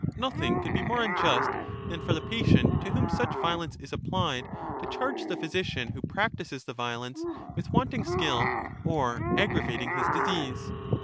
Nothing could be more unjust than for the patient to whom such violence is applied, to charge the physician who practises the violence with wanting skill or aggravating his disease.